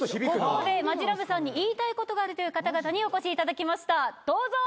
ここでマヂラブさんに言いたいことがあるという方々にお越しいただきましたどうぞ。